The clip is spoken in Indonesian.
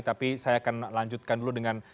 tapi saya akan lanjutkan dulu dengan